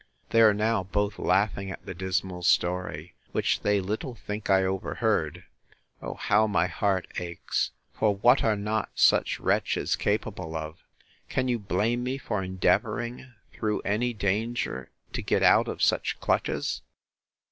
They are now both laughing at the dismal story, which they little think I overheard—O how my heart aches! for what are not such wretches capable of! Can you blame me for endeavouring, through any danger, to get out of such clutches?